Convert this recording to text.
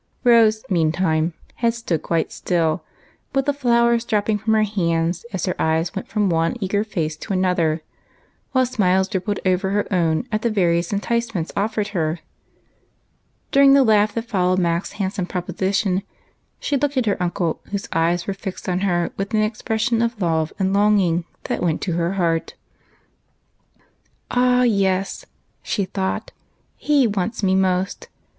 Rose meantime had stood quite still, with the flowers dropping from her hands as her eyes went from one eager fice to another, while smiles rippled over her own at the various enticements offered her. During the laugh that followed Mac's handsome proposition, she looked at her uncle, whose eyes were fixed on her with an expression of love and longing that went to her heart. 13 290 EIGHT COUSINS. " Ah ! yes," she thought, " he wants me most